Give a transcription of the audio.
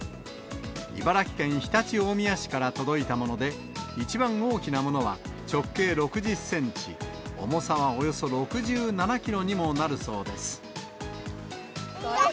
茨城県常陸大宮市から届いたもので、一番大きなものは直径６０センチ、重さはおよそ６７キロにもなるそうです。